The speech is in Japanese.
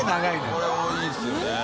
これはいいですよね。